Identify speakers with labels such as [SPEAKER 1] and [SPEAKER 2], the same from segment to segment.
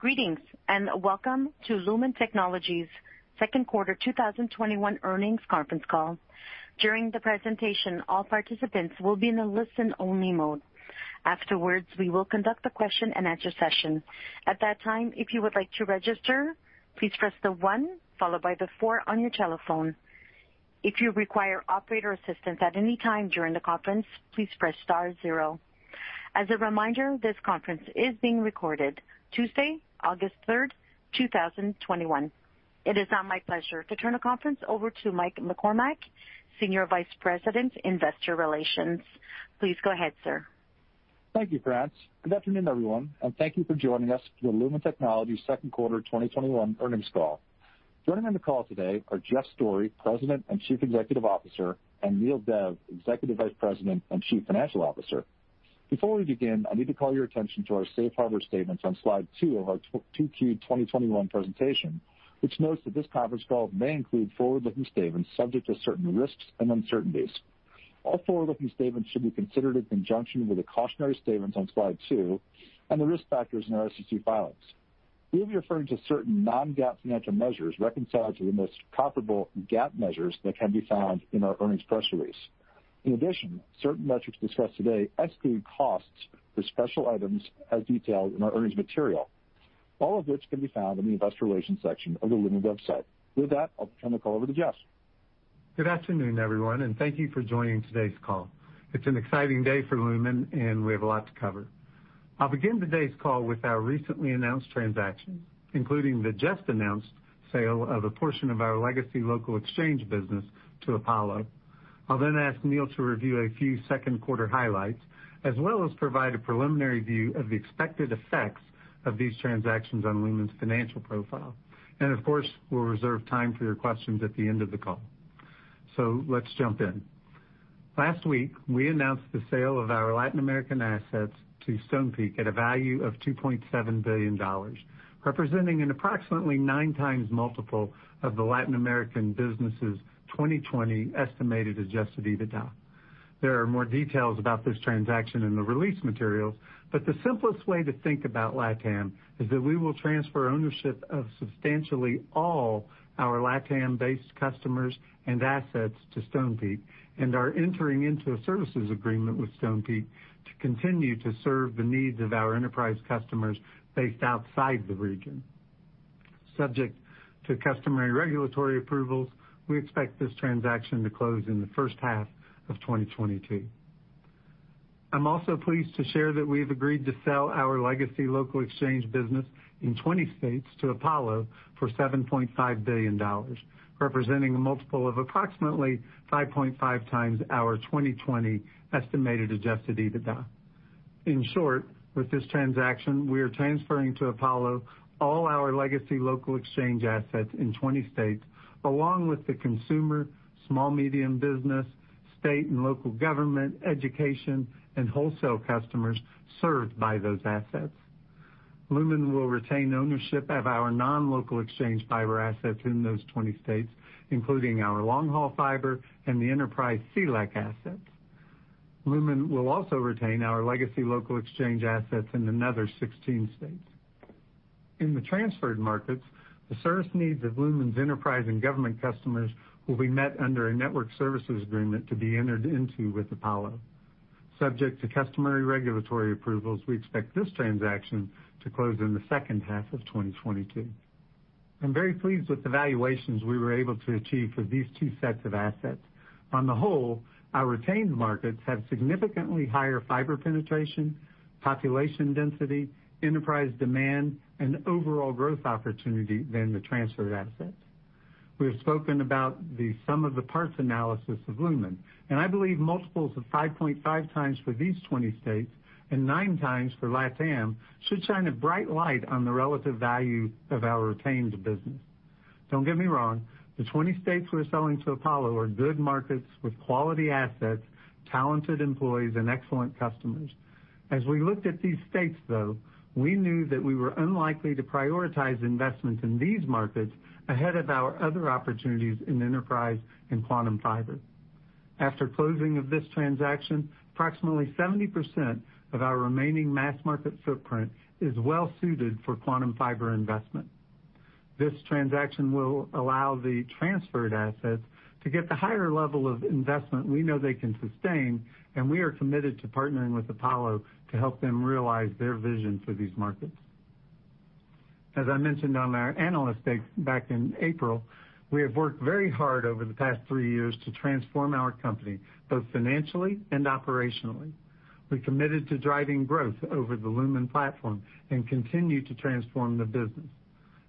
[SPEAKER 1] Greetings, and welcome to Lumen Technologies' second quarter 2021 earnings conference call. As a reminder, this conference is being recorded Tuesday, August 3rd, 2021. It is now my pleasure to turn the conference over to Mike McCormack, Senior Vice President, Investor Relations. Please go ahead, sir.
[SPEAKER 2] Thank you, Franz. Good afternoon, everyone, and thank you for joining us for the Lumen Technologies second quarter 2021 earnings call. Joining on the call today are Jeff Storey, President and Chief Executive Officer, and Neel Dev, Executive Vice President and Chief Financial Officer. Before we begin, I need to call your attention to our safe harbor statements on slide two of our Q2 2021 presentation, which notes that this conference call may include forward-looking statements subject to certain risks and uncertainties. All forward-looking statements should be considered in conjunction with the cautionary statements on slide two and the risk factors in our SEC filings. We'll be referring to certain non-GAAP financial measures reconciled to the most comparable GAAP measures that can be found in our earnings press release. In addition, certain metrics discussed today exclude costs for special items as detailed in our earnings material, all of which can be found in the investor relations section of the Lumen website. With that, I'll turn the call over to Jeff.
[SPEAKER 3] Good afternoon, everyone. Thank you for joining today's call. It's an exciting day for Lumen. We have a lot to cover. I'll begin today's call with our recently announced transactions, including the just-announced sale of a portion of our legacy local exchange business to Apollo. I'll then ask Neel to review a few second quarter highlights, as well as provide a preliminary view of the expected effects of these transactions on Lumen's financial profile. Of course, we'll reserve time for your questions at the end of the call. Let's jump in. Last week, we announced the sale of our Latin American assets to Stonepeak at a value of $2.7 billion, representing an approximately 9x multiple of the Latin American business' 2020 estimated adjusted EBITDA. There are more details about this transaction in the release materials, but the simplest way to think about LatAm is that we will transfer ownership of substantially all our LatAm-based customers and assets to Stonepeak and are entering into a services agreement with Stonepeak to continue to serve the needs of our enterprise customers based outside the region. Subject to customary regulatory approvals, we expect this transaction to close in the first half of 2022. I'm also pleased to share that we've agreed to sell our legacy local exchange business in 20 states to Apollo for $7.5 billion, representing a multiple of approximately 5.5x our 2020 estimated adjusted EBITDA. In short, with this transaction, we are transferring to Apollo all our legacy local exchange assets in 20 states, along with the consumer, small-medium business, state and local government, education, and wholesale customers served by those assets. Lumen will retain ownership of our non-local exchange fiber assets in those 20 states, including our long-haul fiber and the enterprise CLEC assets. Lumen will also retain our legacy local exchange assets in another 16 states. In the transferred markets, the service needs of Lumen's enterprise and government customers will be met under a network services agreement to be entered into with Apollo. Subject to customary regulatory approvals, we expect this transaction to close in the second half of 2022. I'm very pleased with the valuations we were able to achieve for these two sets of assets. On the whole, our retained markets have significantly higher fiber penetration, population density, enterprise demand, and overall growth opportunity than the transferred assets. We have spoken about the sum of the parts analysis of Lumen, and I believe multiples of 5.5x for these 20 states and 9x for LatAm should shine a bright light on the relative value of our retained business. Don't get me wrong, the 20 states we're selling to Apollo are good markets with quality assets, talented employees, and excellent customers. As we looked at these states, though, we knew that we were unlikely to prioritize investments in these markets ahead of our other opportunities in enterprise and Quantum Fiber. After closing of this transaction, approximately 70% of our remaining mass market footprint is well suited for Quantum Fiber investment. This transaction will allow the transferred assets to get the higher level of investment we know they can sustain, and we are committed to partnering with Apollo to help them realize their vision for these markets. As I mentioned on our analyst day back in April, we have worked very hard over the past three years to transform our company, both financially and operationally. We're committed to driving growth over the Lumen Platform and continue to transform the business.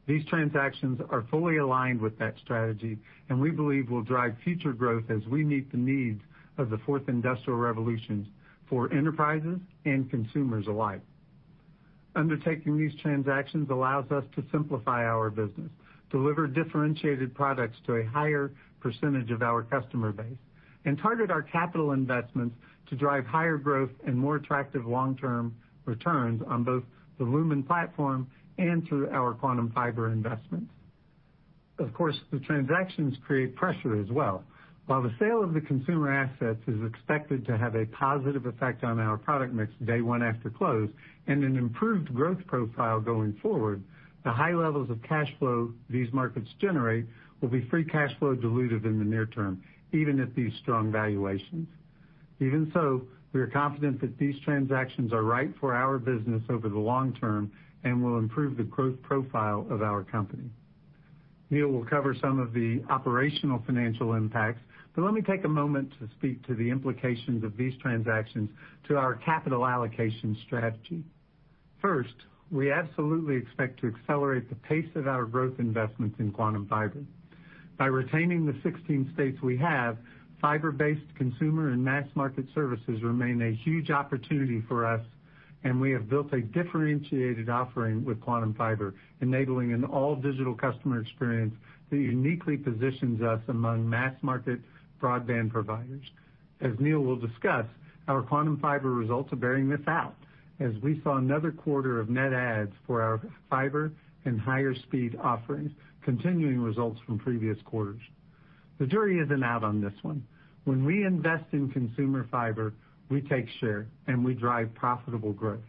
[SPEAKER 3] These transactions are fully aligned with that strategy, and we believe will drive future growth as we meet the needs of the fourth industrial revolution for enterprises and consumers alike. Undertaking these transactions allows us to simplify our business, deliver differentiated products to a higher percentage of our customer base, and target our capital investments to drive higher growth and more attractive long-term returns on both the Lumen Platform and through our Quantum Fiber investments. Of course, the transactions create pressure as well. While the sale of the consumer assets is expected to have a positive effect on our product mix day one after close, and an improved growth profile going forward, the high levels of cash flow these markets generate will be free cash flow dilutive in the near term, even at these strong valuations. We are confident that these transactions are right for our business over the long term and will improve the growth profile of our company. Neel will cover some of the operational financial impacts. Let me take a moment to speak to the implications of these transactions to our capital allocation strategy. First, we absolutely expect to accelerate the pace of our growth investments in Quantum Fiber. By retaining the 16 states we have, fiber-based consumer and mass market services remain a huge opportunity for us, and we have built a differentiated offering with Quantum Fiber, enabling an all-digital customer experience that uniquely positions us among mass market broadband providers. As Neel will discuss, our Quantum Fiber results are bearing this out, as we saw another quarter of net adds for our fiber and higher speed offerings, continuing results from previous quarters. The jury isn't out on this one. When we invest in consumer fiber, we take share, and we drive profitable growth.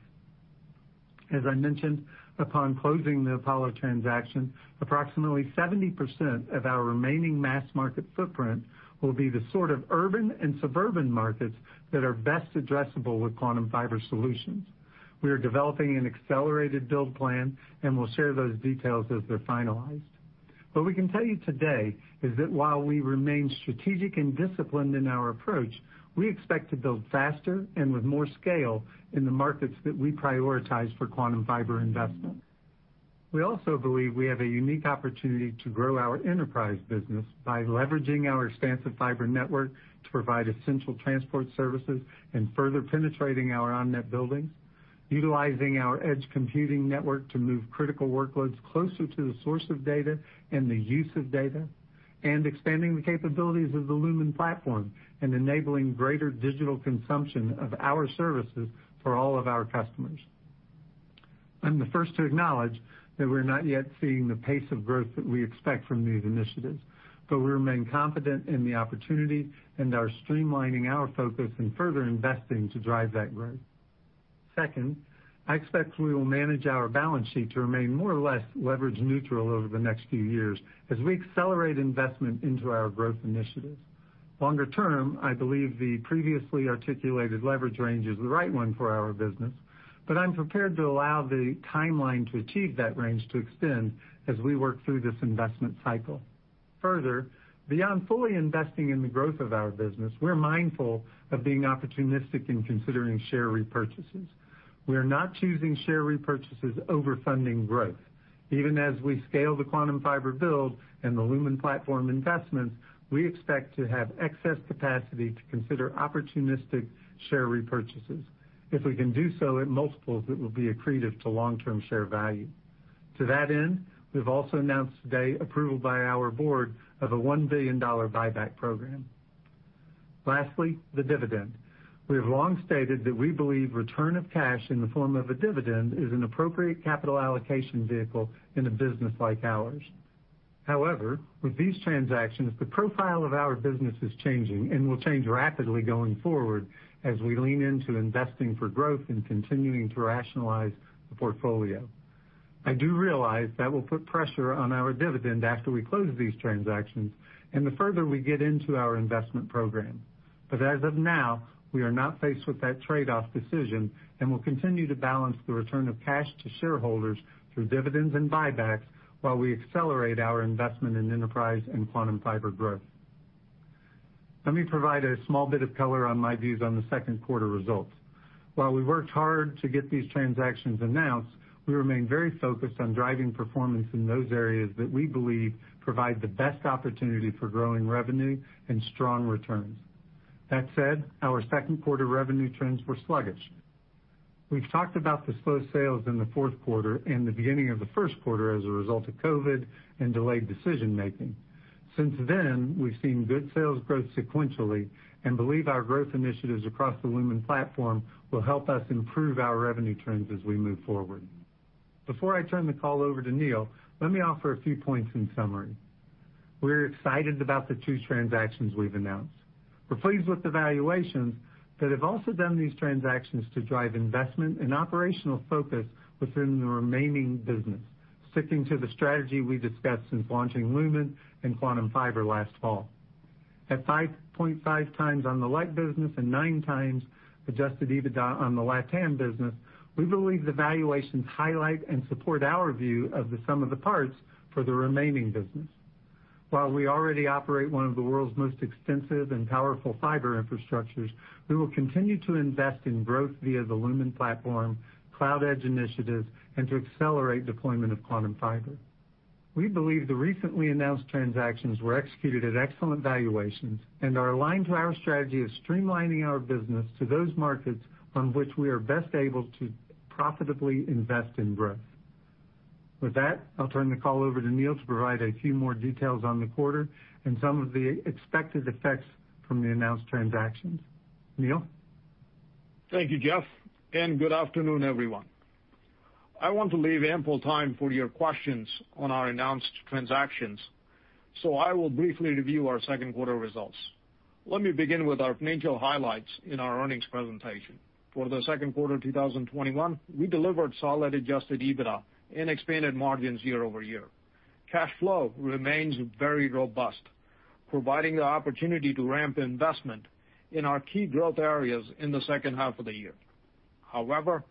[SPEAKER 3] As I mentioned, upon closing the Apollo transaction, approximately 70% of our remaining mass market footprint will be the sort of urban and suburban markets that are best addressable with Quantum Fiber solutions. We are developing an accelerated build plan, and we'll share those details as they're finalized. What we can tell you today is that while we remain strategic and disciplined in our approach, we expect to build faster and with more scale in the markets that we prioritize for Quantum Fiber investment. We also believe we have a unique opportunity to grow our enterprise business by leveraging our expansive fiber network to provide essential transport services and further penetrating our on-net buildings, utilizing our edge computing network to move critical workloads closer to the source of data and the use of data, and expanding the capabilities of the Lumen Platform and enabling greater digital consumption of our services for all of our customers. I'm the first to acknowledge that we're not yet seeing the pace of growth that we expect from these initiatives, we remain confident in the opportunity and are streamlining our focus and further investing to drive that growth. Second, I expect we will manage our balance sheet to remain more or less leverage neutral over the next few years as we accelerate investment into our growth initiatives. Longer term, I believe the previously articulated leverage range is the right one for our business, but I'm prepared to allow the timeline to achieve that range to extend as we work through this investment cycle. Further, beyond fully investing in the growth of our business, we're mindful of being opportunistic in considering share repurchases. We are not choosing share repurchases over funding growth. Even as we scale the Quantum Fiber build and the Lumen Platform investments, we expect to have excess capacity to consider opportunistic share repurchases. If we can do so at multiples that will be accretive to long-term share value. To that end, we've also announced today approval by our board of a $1 billion buyback program. Lastly, the dividend. We have long stated that we believe return of cash in the form of a dividend is an appropriate capital allocation vehicle in a business like ours. With these transactions, the profile of our business is changing and will change rapidly going forward as we lean into investing for growth and continuing to rationalize the portfolio. I do realize that will put pressure on our dividend after we close these transactions and the further we get into our investment program. As of now, we are not faced with that trade-off decision and will continue to balance the return of cash to shareholders through dividends and buybacks while we accelerate our investment in enterprise and Quantum Fiber growth. Let me provide a small bit of color on my views on the second quarter results. While we worked hard to get these transactions announced, we remain very focused on driving performance in those areas that we believe provide the best opportunity for growing revenue and strong returns. That said, our second quarter revenue trends were sluggish. We've talked about the slow sales in the fourth quarter and the beginning of the first quarter as a result of COVID and delayed decision-making. Since then, we've seen good sales growth sequentially and believe our growth initiatives across the Lumen Platform will help us improve our revenue trends as we move forward. Before I turn the call over to Neel, let me offer a few points in summary. We're excited about the two transactions we've announced. We're pleased with the valuations, but have also done these transactions to drive investment and operational focus within the remaining business, sticking to the strategy we discussed since launching Lumen and Quantum Fiber last fall. At 5.5x on the ILEC business and 9x adjusted EBITDA on the LatAm business, we believe the valuations highlight and support our view of the sum of the parts for the remaining business. While we already operate one of the world's most extensive and powerful fiber infrastructures, we will continue to invest in growth via the Lumen Platform, Cloud Edge initiatives, and to accelerate deployment of Quantum Fiber. We believe the recently announced transactions were executed at excellent valuations and are aligned to our strategy of streamlining our business to those markets on which we are best able to profitably invest in growth. With that, I'll turn the call over to Neel to provide a few more details on the quarter and some of the expected effects from the announced transactions. Neel?
[SPEAKER 4] Thank you, Jeff. Good afternoon, everyone. I want to leave ample time for your questions on our announced transactions, so I will briefly review our second quarter results. Let me begin with our financial highlights in our earnings presentation. For the second quarter of 2021, we delivered solid adjusted EBITDA and expanded margins year-over-year. Cash flow remains very robust, providing the opportunity to ramp investment in our key growth areas in the second half of the year. However,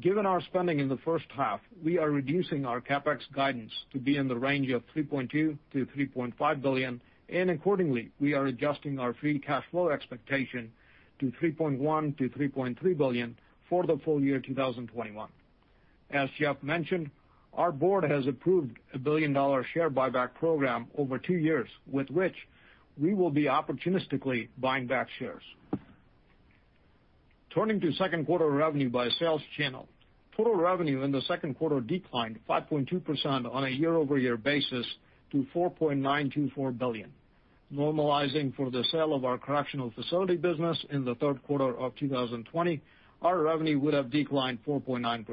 [SPEAKER 4] given our spending in the first half, we are reducing our CapEx guidance to be in the range of $3.2 billion-$3.5 billion. Accordingly, we are adjusting our free cash flow expectation to $3.1 billion-$3.3 billion for the full year 2021. As Jeff mentioned, our board has approved $1 billion share buyback program over two years with which we will be opportunistically buying back shares. Turning to second quarter revenue by sales channel. Total revenue in the second quarter declined 5.2% on a year-over-year basis to $4.924 billion. Normalizing for the sale of our correctional facility business in the third quarter of 2020, our revenue would have declined 4.9%.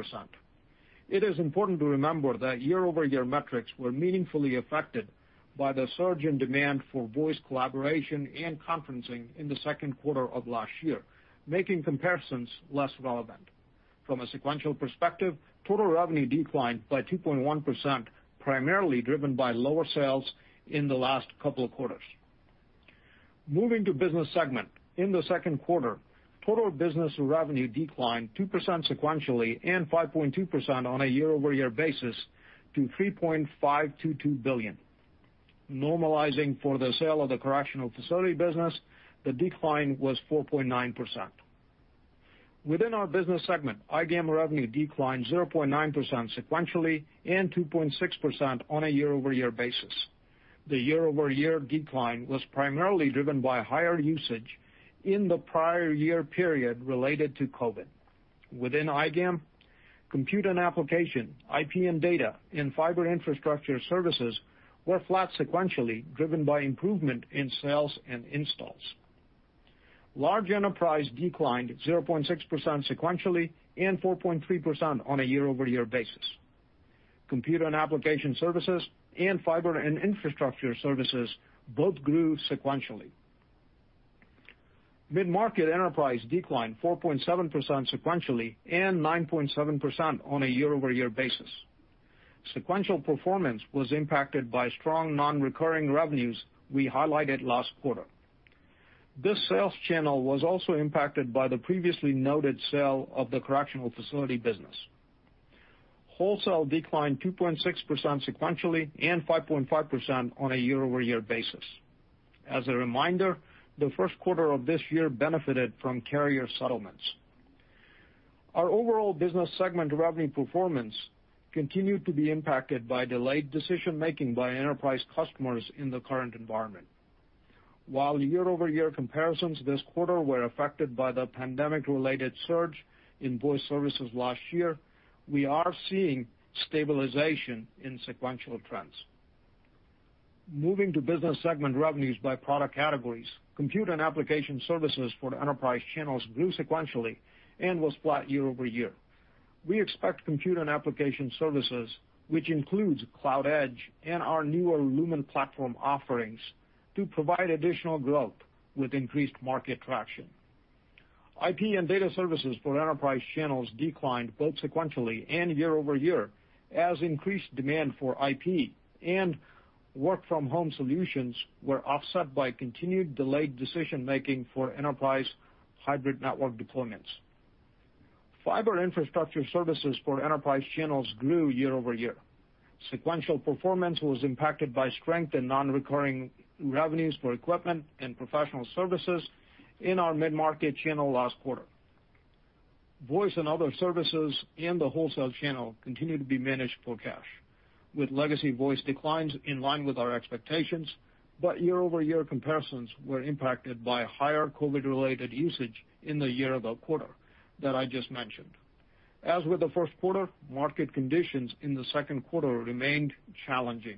[SPEAKER 4] It is important to remember that year-over-year metrics were meaningfully affected by the surge in demand for voice collaboration and conferencing in the second quarter of last year, making comparisons less relevant. From a sequential perspective, total revenue declined by 2.1%, primarily driven by lower sales in the last couple of quarters. Moving to business segment. In the second quarter, total business revenue declined 2% sequentially and 5.2% on a year-over-year basis to $3.522 billion. Normalizing for the sale of the correctional facility business, the decline was 4.9%. Within our business segment, IGAM revenue declined 0.9% sequentially and 2.6% on a year-over-year basis. The year-over-year decline was primarily driven by higher usage in the prior year period related to COVID. Within IGAM, computer and application, IP and data, and fiber infrastructure services were flat sequentially, driven by improvement in sales and installs. Large enterprise declined 0.6% sequentially and 4.3% on a year-over-year basis. Computer and application services and fiber and infrastructure services both grew sequentially. Mid-market enterprise declined 4.7% sequentially and 9.7% on a year-over-year basis. Sequential performance was impacted by strong non-recurring revenues we highlighted last quarter. This sales channel was also impacted by the previously noted sale of the correctional facility business. Wholesale declined 2.6% sequentially and 5.5% on a year-over-year basis. As a reminder, the first quarter of this year benefited from carrier settlements. Our overall business segment revenue performance continued to be impacted by delayed decision-making by enterprise customers in the current environment. While year-over-year comparisons this quarter were affected by the pandemic-related surge in voice services last year, we are seeing stabilization in sequential trends. Moving to business segment revenues by product categories. Computer and application services for the enterprise channels grew sequentially and was flat year-over-year. We expect computer and application services, which includes Cloud Edge and our newer Lumen Platform offerings, to provide additional growth with increased market traction. IP and data services for enterprise channels declined both sequentially and year-over-year as increased demand for IP and work from home solutions were offset by continued delayed decision-making for enterprise hybrid network deployments. Fiber infrastructure services for enterprise channels grew year-over-year. Sequential performance was impacted by strength in non-recurring revenues for equipment and professional services in our mid-market channel last quarter. Voice and other services in the wholesale channel continued to be managed for cash, with legacy voice declines in line with our expectations. Year-over-year comparisons were impacted by higher COVID-related usage in the year ago quarter that I just mentioned. As with the first quarter, market conditions in the second quarter remained challenging.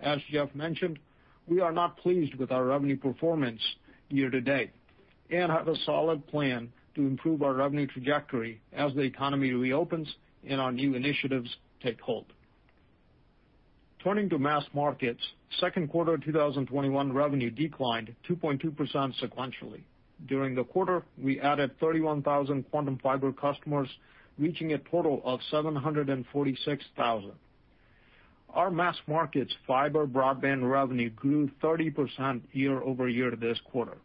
[SPEAKER 4] As Jeff mentioned, we are not pleased with our revenue performance year to date and have a solid plan to improve our revenue trajectory as the economy reopens and our new initiatives take hold. Turning to mass markets. Second quarter 2021 revenue declined 2.2% sequentially. During the quarter, we added 31,000 Quantum Fiber customers, reaching a total of 746,000. Our mass markets fiber broadband revenue grew 30% year-over-year this quarter.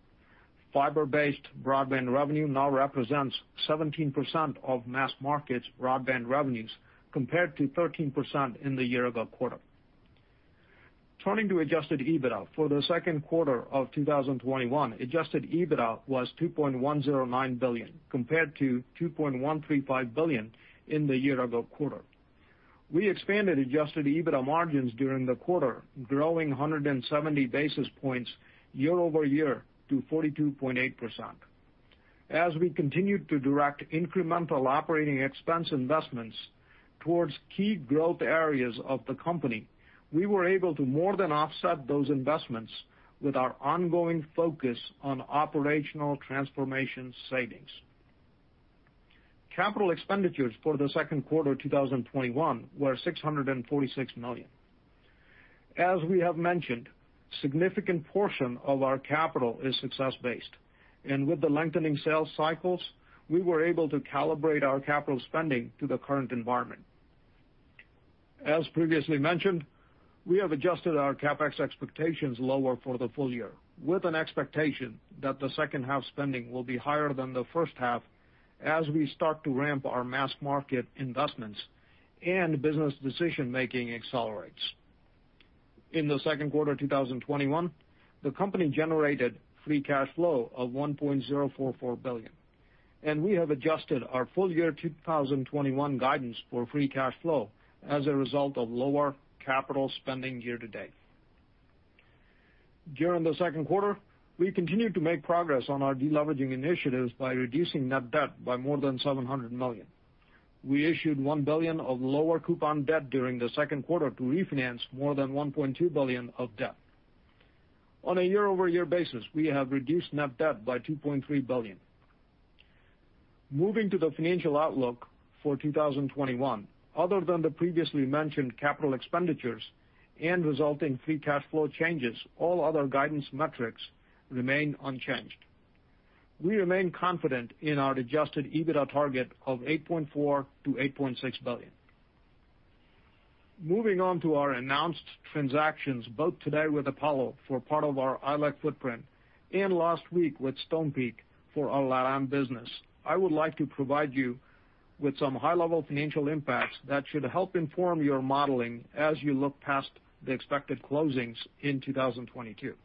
[SPEAKER 4] Fiber-based broadband revenue now represents 17% of mass markets broadband revenues, compared to 13% in the year ago quarter. Turning to adjusted EBITDA. For Q2 2021, adjusted EBITDA was $2.109 billion compared to $2.135 billion in the year-ago quarter. We expanded adjusted EBITDA margins during the quarter, growing 170 basis points year-over-year to 42.8%. As we continued to direct incremental operating expense investments towards key growth areas of the company, we were able to more than offset those investments with our ongoing focus on operational transformation savings. Capital expenditures for Q2 2021 were $646 million. As we have mentioned, significant portion of our capital is success-based, and with the lengthening sales cycles, we were able to calibrate our capital spending to the current environment. As previously mentioned, we have adjusted our CapEx expectations lower for the full year, with an expectation that the second half spending will be higher than the first half as we start to ramp our mass market investments and business decision-making accelerates. In the second quarter 2021, the company generated free cash flow of $1.044 billion, and we have adjusted our full year 2021 guidance for free cash flow as a result of lower capital spending year to date. During the second quarter, we continued to make progress on our de-leveraging initiatives by reducing net debt by more than $700 million. We issued $1 billion of lower coupon debt during the second quarter to refinance more than $1.2 billion of debt. On a year-over-year basis, we have reduced net debt by $2.3 billion. Moving to the financial outlook for 2021. Other than the previously mentioned capital expenditures and resulting free cash flow changes, all other guidance metrics remain unchanged. We remain confident in our adjusted EBITDA target of $8.4 billion-$8.6 billion. Moving on to our announced transactions, both today with Apollo for part of our ILEC footprint and last week with Stonepeak for our LatAm business. I would like to provide you with some high-level financial impacts that should help inform your modeling as you look past the expected closings in 2022.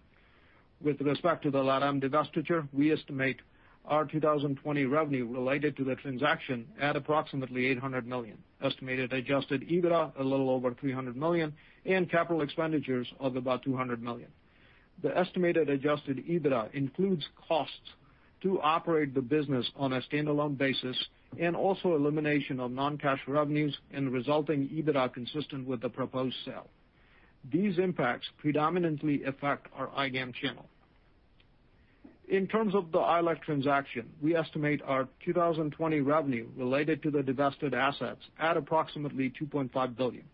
[SPEAKER 4] With respect to the LatAm divestiture, we estimate our 2020 revenue related to the transaction at approximately $800 million. Estimated adjusted EBITDA, a little over $300 million, and capital expenditures of about $200 million. The estimated adjusted EBITDA includes costs to operate the business on a standalone basis and also elimination of non-cash revenues and resulting EBITDA consistent with the proposed sale. These impacts predominantly affect our IGAM channel. In terms of the ILEC transaction, we estimate our 2020 revenue related to the divested assets at approximately $2.5 billion.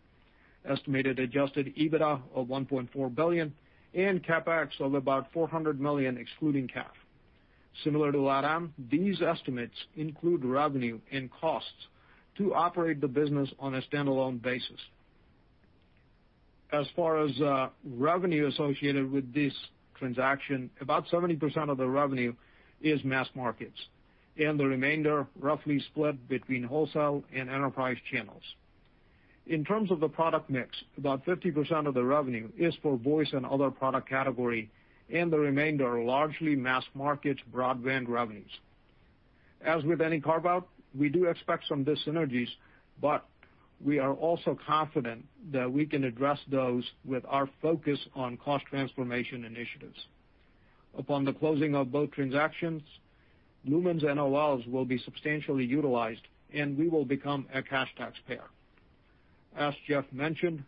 [SPEAKER 4] Estimated adjusted EBITDA of $1.4 billion and CapEx of about $400 million excluding CAF. Similar to LatAm, these estimates include revenue and costs to operate the business on a standalone basis. As far as revenue associated with this transaction, about 70% of the revenue is mass markets, and the remainder roughly split between wholesale and enterprise channels. In terms of the product mix, about 50% of the revenue is for voice and other product category, and the remainder are largely mass market broadband revenues. As with any carve-out, we do expect some dis-synergies, but we are also confident that we can address those with our focus on cost transformation initiatives. Upon the closing of both transactions, Lumen's NOLs will be substantially utilized, and we will become a cash taxpayer. As Jeff mentioned,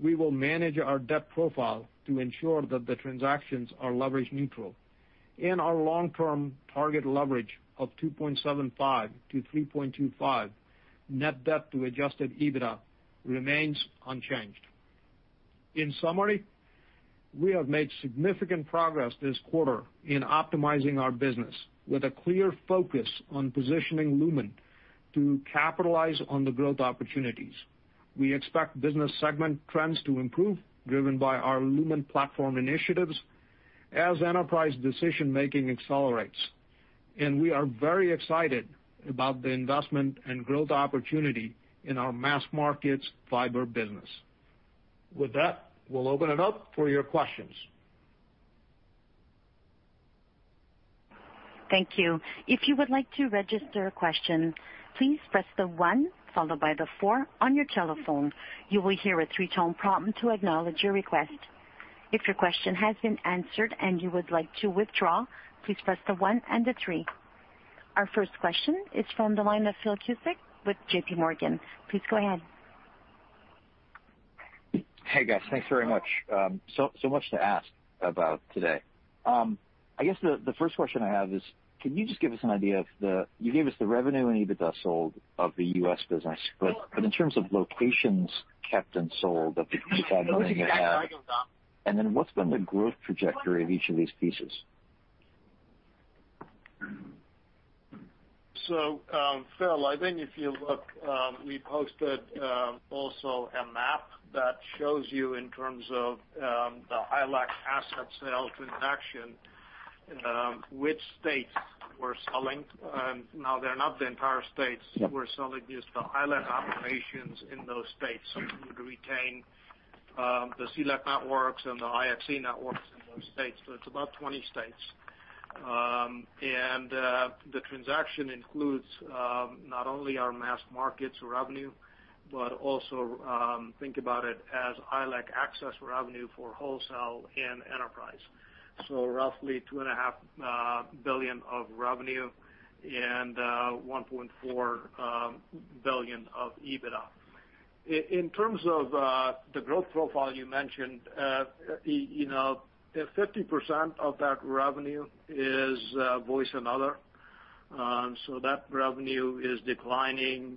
[SPEAKER 4] we will manage our debt profile to ensure that the transactions are leverage neutral and our long-term target leverage of 2.75x-3.25x net debt to adjusted EBITDA remains unchanged. In summary, we have made significant progress this quarter in optimizing our business with a clear focus on positioning Lumen to capitalize on the growth opportunities. We expect business segment trends to improve, driven by our Lumen Platform initiatives as enterprise decision-making accelerates. We are very excited about the investment and growth opportunity in our mass markets fiber business. With that, we'll open it up for your questions.
[SPEAKER 1] Thank you. If you would like to register a question, please press one followed by four on your telephone. You will hear a three-tone prompt to acknowledge your request. If your question has been answered and you would like to withdraw, please press one and three. Our first question is from the line of Phil Cusick with JPMorgan. Please go ahead.
[SPEAKER 5] Hey, guys. Thanks very much. Much to ask about today. I guess the first question I have is, can you just give us an idea of the revenue and EBITDA sold of the U.S. business. In terms of locations kept and sold of the [insight and learning] you had, what's been the growth trajectory of each of these pieces?
[SPEAKER 4] Phil, I think if you look, we posted also a map that shows you in terms of the ILEC asset sale transaction, which states we're selling. They're not the entire states. We're selling just the ILEC operations in those states. We retain the CLEC networks and the IXC networks in those states. It's about 20 states. The transaction includes not only our mass markets revenue, but also think about it as ILEC access revenue for wholesale and enterprise. Roughly $2.5 billion of revenue and $1.4 billion of EBITDA. In terms of the growth profile you mentioned, 50% of that revenue is voice and other. That revenue is declining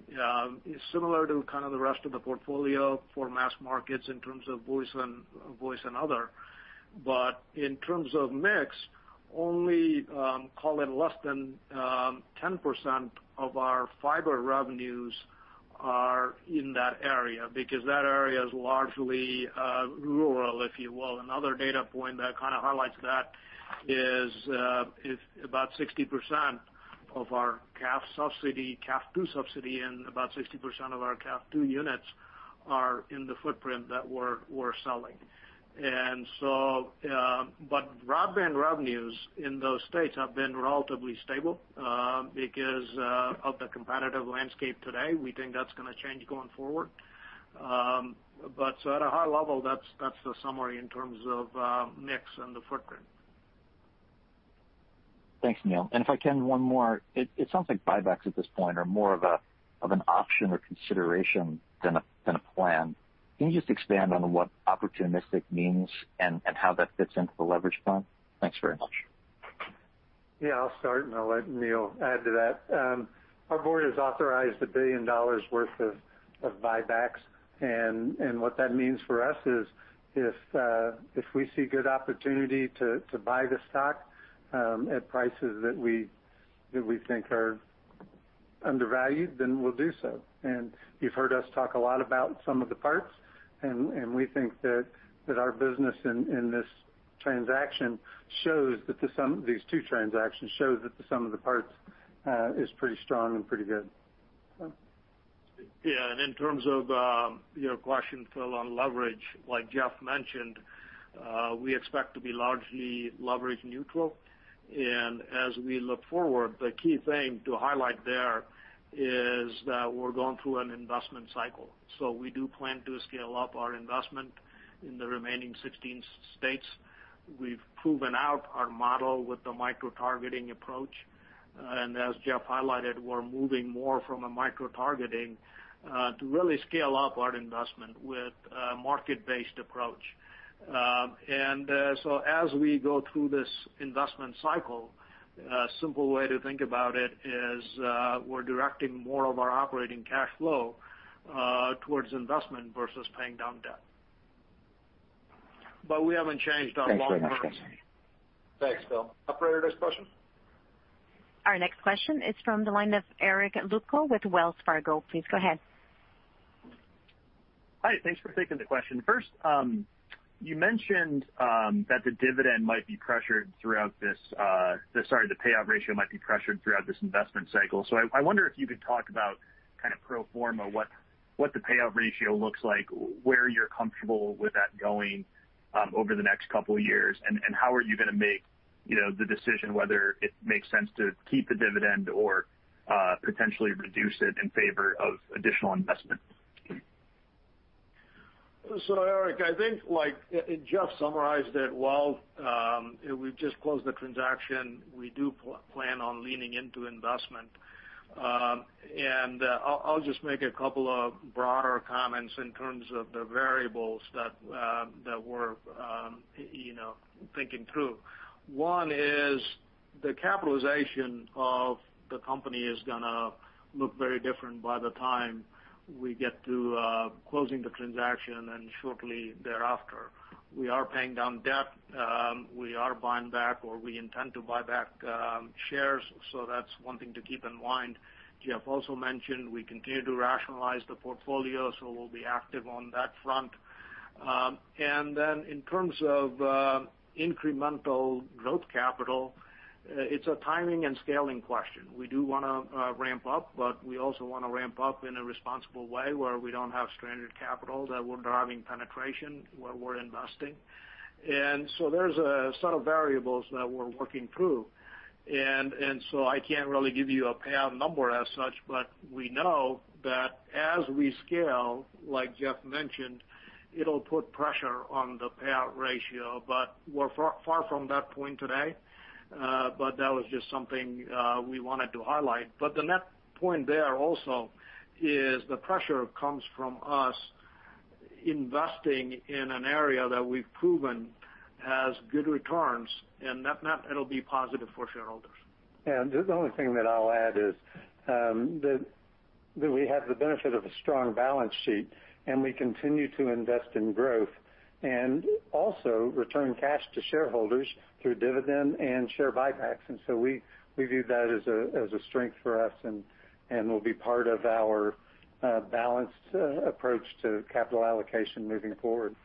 [SPEAKER 4] similar to the rest of the portfolio for mass markets in terms of voice and other. In terms of mix, only call it less than 10% of our fiber revenues are in that area, because that area is largely rural, if you will. Another data point that kind of highlights that is about 60% of our CAF II subsidy and about 60% of our CAF II units are in the footprint that we're selling. Broadband revenues in those states have been relatively stable because of the competitive landscape today. We think that's going to change going forward. At a high level, that's the summary in terms of mix and the footprint.
[SPEAKER 5] Thanks, Neel. If I can, one more. It sounds like buybacks at this point are more of an option or consideration than a plan. Can you just expand on what opportunistic means and how that fits into the leverage plan? Thanks very much.
[SPEAKER 3] Yeah, I'll start and I'll let Neel add to that. Our board has authorized $1 billion worth of buybacks, what that means for us is if we see good opportunity to buy the stock at prices that we think are undervalued, then we'll do so. You've heard us talk a lot about sum of the parts, we think that our business in these two transactions shows that the sum of the parts is pretty strong and pretty good. Neel.
[SPEAKER 4] In terms of your question, Phil, on leverage, like Jeff mentioned, we expect to be largely leverage neutral. As we look forward, the key thing to highlight there is that we're going through an investment cycle. We do plan to scale up our investment in the remaining 16 states. We've proven out our model with the micro-targeting approach. As Jeff highlighted, we're moving more from a micro-targeting to really scale up our investment with a market-based approach. As we go through this investment cycle, a simple way to think about it is we're directing more of our operating cash flow towards investment versus paying down debt. But we haven't changed our long term.
[SPEAKER 5] Thanks very much, guys.
[SPEAKER 2] Thanks, Phil. Operator, next question.
[SPEAKER 1] Our next question is from the line of Eric Luebchow with Wells Fargo. Please go ahead.
[SPEAKER 6] Hi, thanks for taking the question. You mentioned that the payout ratio might be pressured throughout this investment cycle. I wonder if you could talk about kind of pro forma, what the payout ratio looks like, where you're comfortable with that going over the next couple of years, and how are you going to make the decision whether it makes sense to keep the dividend or potentially reduce it in favor of additional investment?
[SPEAKER 4] Eric, I think like Jeff summarized it well. We've just closed the transaction. We do plan on leaning into investment. I'll just make a couple of broader comments in terms of the variables that we're thinking through. One is the capitalization of the company is going to look very different by the time we get to closing the transaction and shortly thereafter. We are paying down debt. We are buying back, or we intend to buy back shares. That's one thing to keep in mind. Jeff also mentioned we continue to rationalize the portfolio, so we'll be active on that front. In terms of incremental growth capital, it's a timing and scaling question. We do want to ramp up, but we also want to ramp up in a responsible way where we don't have stranded capital, that we're driving penetration where we're investing. There's a set of variables that we're working through. I can't really give you a payout number as such, but we know that as we scale, like Jeff mentioned, it'll put pressure on the payout ratio, but we're far from that point today. That was just something we wanted to highlight. The net point there also is the pressure comes from us investing in an area that we've proven has good returns, and net-net, it'll be positive for shareholders.
[SPEAKER 3] The only thing that I'll add is that we have the benefit of a strong balance sheet, and we continue to invest in growth and also return cash to shareholders through dividend and share buybacks. We view that as a strength for us and will be part of our balanced approach to capital allocation moving forward.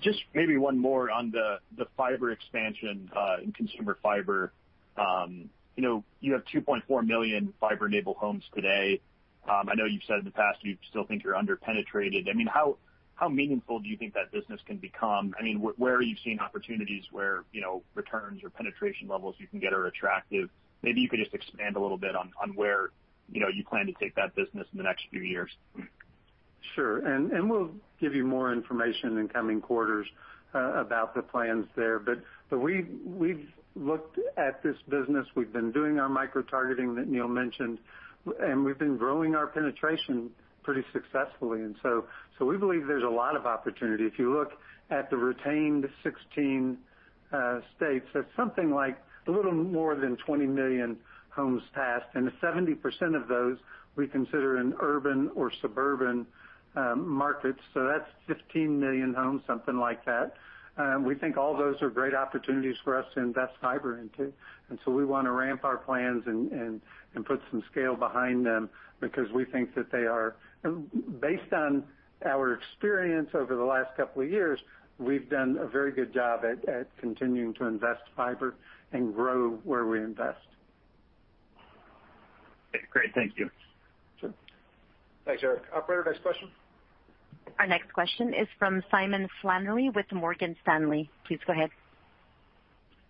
[SPEAKER 6] Just maybe one more on the fiber expansion in consumer fiber. You have 2.4 million fiber-enabled homes today. I know you've said in the past you still think you're under-penetrated. How meaningful do you think that business can become? Where are you seeing opportunities where returns or penetration levels you can get are attractive? Maybe you could just expand a little bit on where you plan to take that business in the next few years.
[SPEAKER 3] Sure. We'll give you more information in coming quarters about the plans there. We've looked at this business, we've been doing our micro-targeting that Neel mentioned, and we've been growing our penetration pretty successfully. We believe there's a lot of opportunity. If you look at the retained 16 states, that's something like a little more than 20 million homes passed, and 70% of those we consider in urban or suburban markets. That's 15 million homes, something like that. We think all those are great opportunities for us to invest fiber into. We want to ramp our plans and put some scale behind them because we think that they are, based on our experience over the last two years, we've done a very good job at continuing to invest fiber and grow where we invest.
[SPEAKER 6] Great. Thank you.
[SPEAKER 3] Sure.
[SPEAKER 2] Thanks, Eric. Operator, next question.
[SPEAKER 1] Our next question is from Simon Flannery with Morgan Stanley. Please go ahead.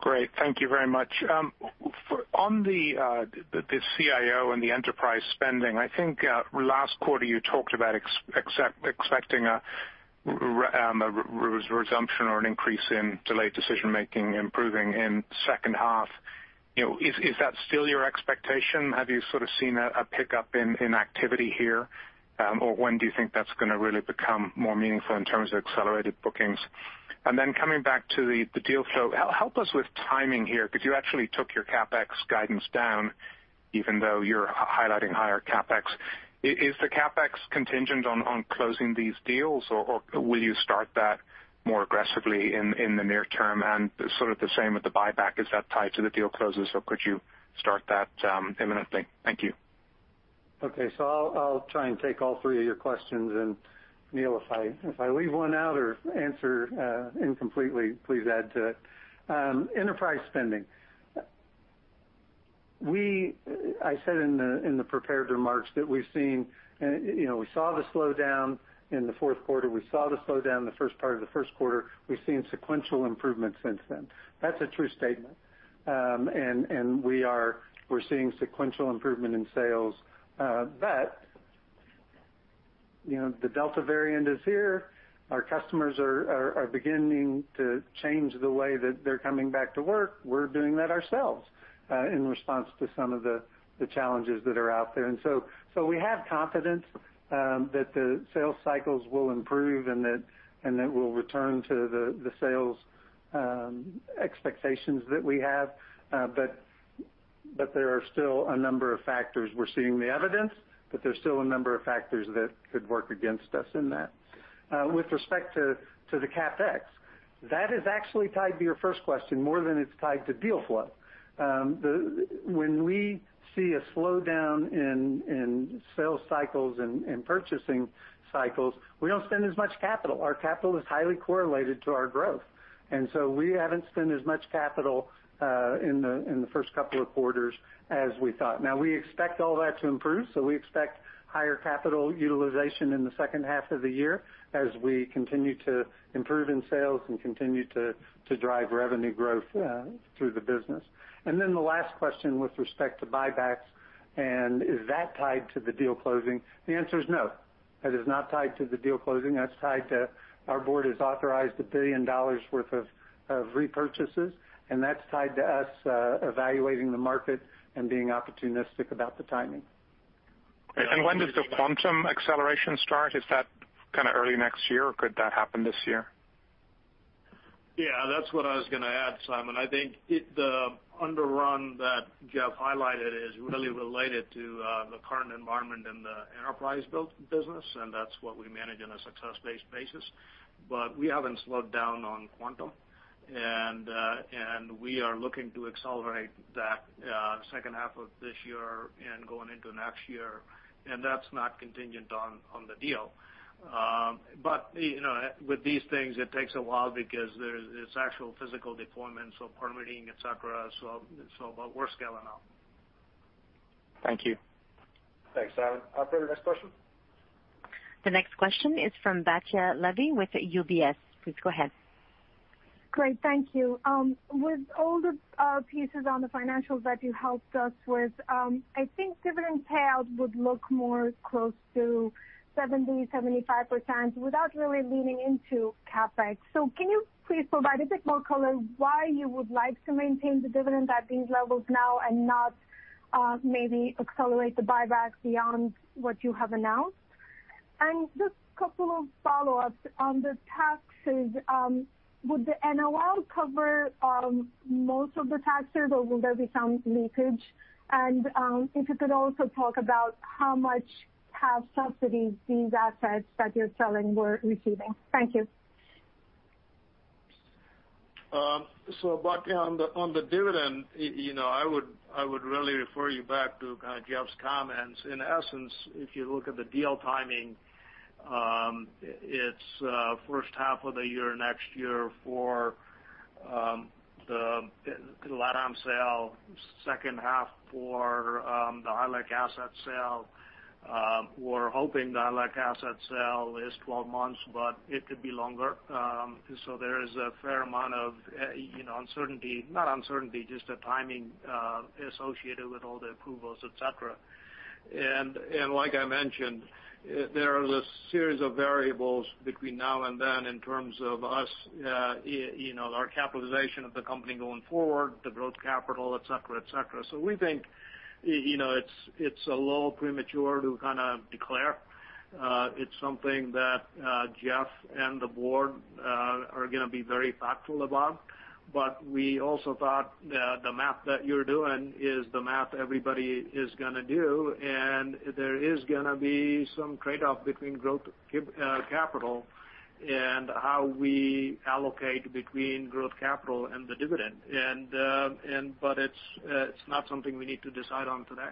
[SPEAKER 7] Great. Thank you very much. On the CIO and the enterprise spending, I think, last quarter, you talked about expecting a resumption or an increase in delayed decision-making improving in second half. Is that still your expectation? Have you sort of seen a pickup in activity here? When do you think that's going to really become more meaningful in terms of accelerated bookings? Coming back to the deal flow, help us with timing here, because you actually took your CapEx guidance down even though you're highlighting higher CapEx. Is the CapEx contingent on closing these deals, or will you start that more aggressively in the near term? Sort of the same with the buyback. Is that tied to the deal closes, or could you start that imminently? Thank you.
[SPEAKER 3] Okay. I'll try and take all three of your questions. Neel, if I leave one out or answer incompletely, please add to it. Enterprise spending. I said in the prepared remarks that we saw the slowdown in the fourth quarter, we saw the slowdown in the first part of the first quarter. We've seen sequential improvement since then. That's a true statement. We're seeing sequential improvement in sales. The Delta variant is here. Our customers are beginning to change the way that they're coming back to work. We're doing that ourselves in response to some of the challenges that are out there. We have confidence that the sales cycles will improve and that we'll return to the sales expectations that we have. There are still a number of factors. We're seeing the evidence, there's still a number of factors that could work against us in that. With respect to the CapEx, that is actually tied to your first question more than it's tied to deal flow. When we see a slowdown in sales cycles and purchasing cycles, we don't spend as much capital. Our capital is highly correlated to our growth. We haven't spent as much capital in the first couple of quarters as we thought. Now, we expect all that to improve. We expect higher capital utilization in the second half of the year as we continue to improve in sales and continue to drive revenue growth through the business. The last question with respect to buybacks and is that tied to the deal closing? The answer is no, that is not tied to the deal closing. Our board has authorized $1 billion worth of repurchases, and that's tied to us evaluating the market and being opportunistic about the timing.
[SPEAKER 7] When does the Quantum acceleration start? Is that early next year, or could that happen this year?
[SPEAKER 4] Yeah, that's what I was going to add, Simon. I think the underrun that Jeff highlighted is really related to the current environment in the enterprise build business, and that's what we manage on a success-based basis. We haven't slowed down on Quantum. We are looking to accelerate that second half of this year and going into next year, and that's not contingent on the deal. With these things, it takes a while because there's actual physical deployment, so permitting, et cetera. We're scaling up.
[SPEAKER 7] Thank you.
[SPEAKER 2] Thanks, Simon. Operator, next question.
[SPEAKER 1] The next question is from Batya Levi with UBS. Please go ahead.
[SPEAKER 8] Great. Thank you. With all the pieces on the financials that you helped us with, I think dividend payout would look more close to 70%, 75% without really leaning into CapEx. Can you please provide a bit more color why you would like to maintain the dividend at these levels now and not maybe accelerate the buyback beyond what you have announced? Just couple of follow-ups. On the taxes, would the NOL cover most of the taxes, or will there be some leakage? If you could also talk about how much tax subsidies these assets that you're selling were receiving. Thank you.
[SPEAKER 4] Batya, on the dividend, I would really refer you back to Jeff's comments. In essence, if you look at the deal timing, it's first half of the year, next year for the LatAm sale second half for the ILEC asset sale. We're hoping the ILEC asset sale is 12 months, but it could be longer. There is a fair amount of uncertainty, not uncertainty, just the timing associated with all the approvals, et cetera. Like I mentioned, there are a series of variables between now and then in terms of us, our capitalization of the company going forward, the growth capital, et cetera. We think it's a little premature to declare. It's something that Jeff and the board are going to be very thoughtful about. We also thought that the math that you're doing is the math everybody is going to do, and there is going to be some trade-off between growth capital and how we allocate between growth capital and the dividend. It's not something we need to decide on today.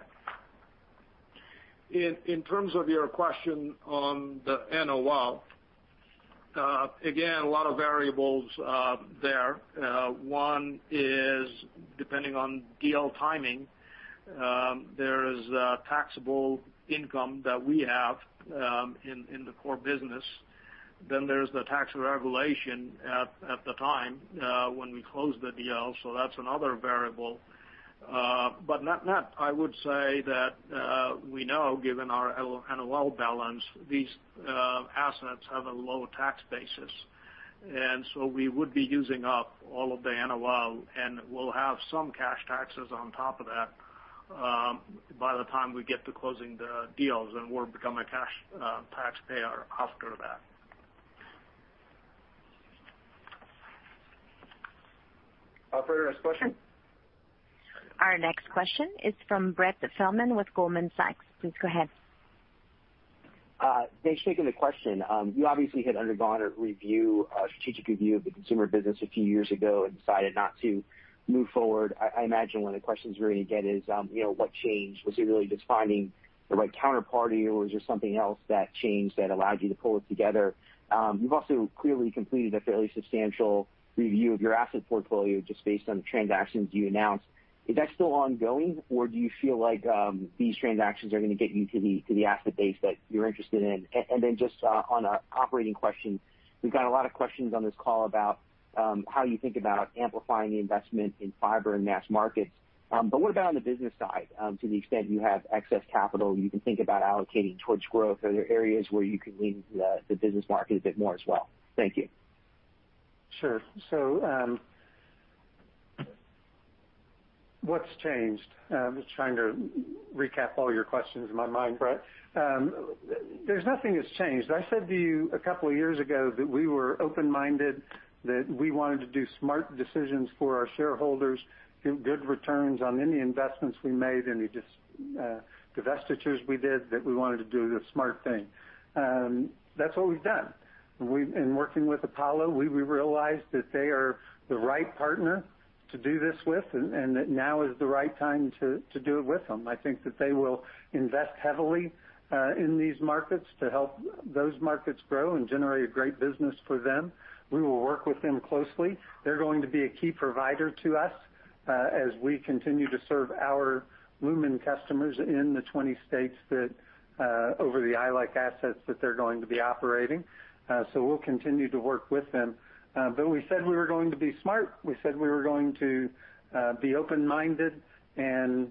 [SPEAKER 4] In terms of your question on the NOL, again, a lot of variables there. One is depending on deal timing, there is taxable income that we have in the core business. There's the tax regulation at the time when we close the deal, so that's another variable. Net, I would say that we know, given our NOL balance, these assets have a low tax basis. We would be using up all of the NOL, and we'll have some cash taxes on top of that by the time we get to closing the deals, and we'll become a cash taxpayer after that.
[SPEAKER 2] Operator, next question.
[SPEAKER 1] Our next question is from Brett Feldman with Goldman Sachs. Please go ahead.
[SPEAKER 9] Thanks for taking the question. You obviously had undergone a strategic review of the consumer business a few years ago and decided not to move forward. I imagine one of the questions you're going to get is, what changed? Was it really just finding the right counterparty, or was there something else that changed that allowed you to pull it together? You've also clearly completed a fairly substantial review of your asset portfolio just based on the transactions you announced. Is that still ongoing, or do you feel like these transactions are going to get you to the asset base that you're interested in? Just on an operating question, we've got a lot of questions on this call about how you think about amplifying the investment in fiber and mass markets. What about on the business side? To the extent you have excess capital you can think about allocating towards growth, are there areas where you could lean the business market a bit more as well? Thank you.
[SPEAKER 3] Sure. What's changed? I'm just trying to recap all your questions in my mind, Brett. There's nothing that's changed. I said to you a couple of years ago that we were open-minded, that we wanted to do smart decisions for our shareholders, do good returns on any investments we made, any divestitures we did, that we wanted to do the smart thing. That's what we've done. In working with Apollo, we realized that they are the right partner to do this with and that now is the right time to do it with them. I think that they will invest heavily in these markets to help those markets grow and generate a great business for them. We will work with them closely. They're going to be a key provider to us as we continue to serve our Lumen customers in the 20 states that over the ILEC assets that they're going to be operating. We'll continue to work with them. We said we were going to be smart. We said we were going to be open-minded, and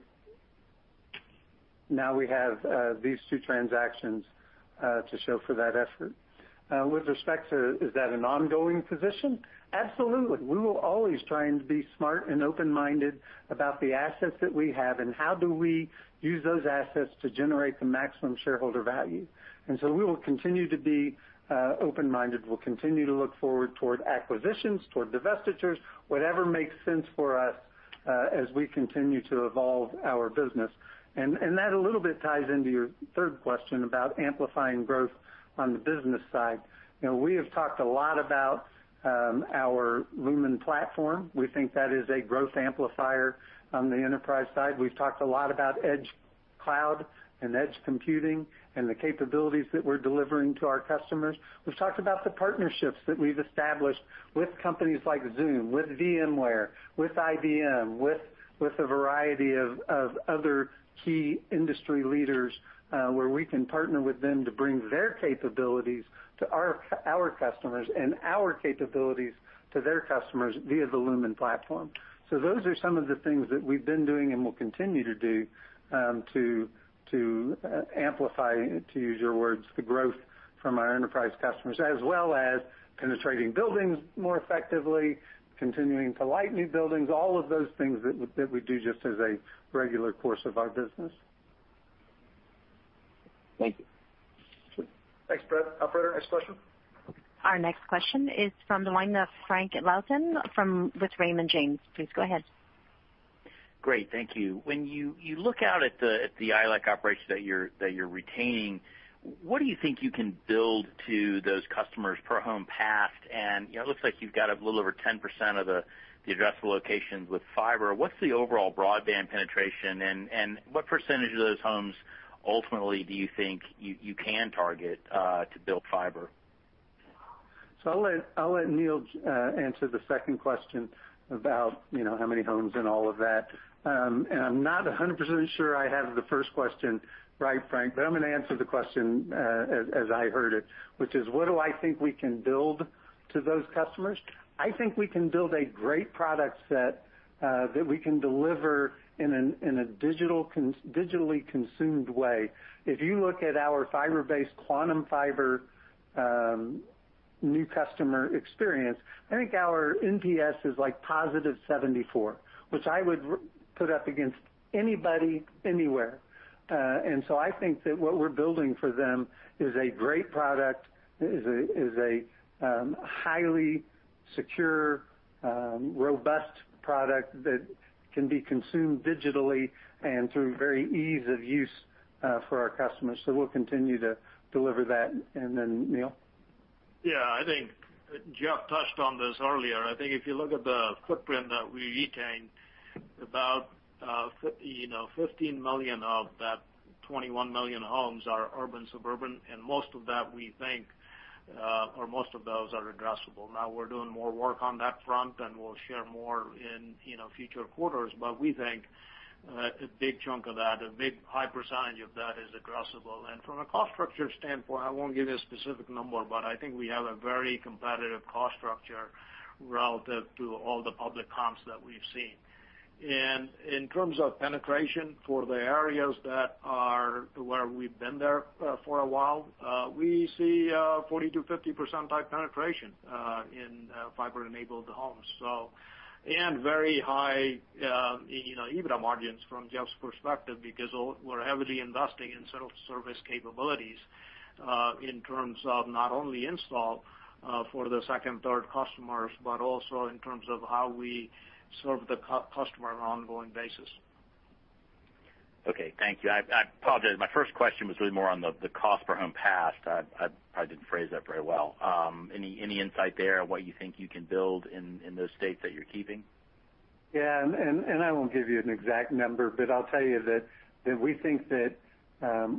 [SPEAKER 3] now we have these two transactions to show for that effort. With respect to, is that an ongoing position? Absolutely. We will always try and be smart and open-minded about the assets that we have and how do we use those assets to generate the maximum shareholder value. We will continue to be open-minded. We'll continue to look forward toward acquisitions, toward divestitures, whatever makes sense for us as we continue to evolve our business. That a little bit ties into your third question about amplifying growth on the business side. We have talked a lot about our Lumen Platform. We think that is a growth amplifier on the enterprise side. We've talked a lot about Cloud Edge and edge computing and the capabilities that we're delivering to our customers. We've talked about the partnerships that we've established with companies like Zoom, with VMware, with IBM, with a variety of other key industry leaders where we can partner with them to bring their capabilities to our customers and our capabilities to their customers via the Lumen Platform. Those are some of the things that we've been doing and will continue to do to amplify, to use your words, the growth from our enterprise customers, as well as penetrating buildings more effectively, continuing to light new buildings, all of those things that we do just as a regular course of our business.
[SPEAKER 9] Thank you.
[SPEAKER 2] Thanks, Brett. Operator, next question.
[SPEAKER 1] Our next question is from the line of Frank Louthan with Raymond James. Please go ahead.
[SPEAKER 10] Great. Thank you. When you look out at the ILEC operations that you're retaining, what do you think you can build to those customers per home passed? It looks like you've got a little over 10% of the addressable locations with fiber. What's the overall broadband penetration, and what percentage of those homes ultimately do you think you can target to build fiber?
[SPEAKER 3] I'll let Neel answer the second question about how many homes and all of that. I'm not 100% sure I have the first question right, Frank, but I'm going to answer the question as I heard it, which is, what do I think we can build to those customers? I think we can build a great product set that we can deliver in a digitally consumed way. If you look at our fiber-based Quantum Fiber new customer experience, I think our NPS is like +74, which I would put up against anybody, anywhere. I think that what we're building for them is a great product, is a highly secure, robust product that can be consumed digitally and through very ease of use for our customers. We'll continue to deliver that. Neel.
[SPEAKER 4] I think Jeff touched on this earlier. I think if you look at the footprint that we retain, about 15 million of that 21 million homes are urban, suburban, and most of that we think, or most of those are addressable. We're doing more work on that front, and we'll share more in future quarters. We think a big chunk of that, a big high percentage of that is addressable. From a cost structure standpoint, I won't give you a specific number, but I think we have a very competitive cost structure relative to all the public comps that we've seen. In terms of penetration for the areas that are where we've been there for a while, we see a 40%-50% type penetration in fiber-enabled homes. Very high EBITDA margins from Jeff's perspective, because we're heavily investing in self-service capabilities, in terms of not only install for the second, third customers, but also in terms of how we serve the customer on an ongoing basis.
[SPEAKER 10] Okay, thank you. I apologize. My first question was really more on the cost per home passed. I probably didn't phrase that very well. Any insight there on what you think you can build in those states that you're keeping?
[SPEAKER 3] Yeah, I won't give you an exact number, but I'll tell you that we think that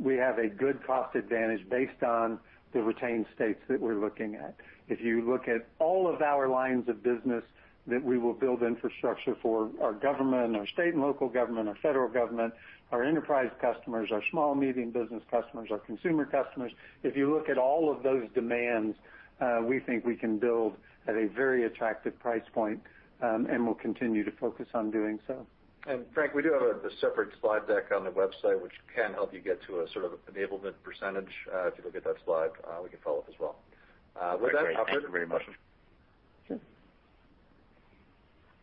[SPEAKER 3] we have a good cost advantage based on the retained states that we're looking at. If you look at all of our lines of business that we will build infrastructure for our government, our state and local government, our federal government, our enterprise customers, our small, medium business customers, our consumer customers. If you look at all of those demands, we think we can build at a very attractive price point, and we'll continue to focus on doing so.
[SPEAKER 2] Frank, we do have a separate slide deck on the website, which can help you get to a sort of enablement percentage. If you look at that slide, we can follow up as well.
[SPEAKER 3] With that, operator?
[SPEAKER 10] Thank you very much.
[SPEAKER 3] Sure.